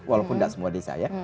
walaupun tidak semua desa ya